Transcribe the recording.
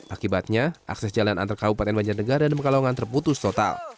akibatnya akses jalan antar kabupaten banjarnegara dan pekalongan terputus total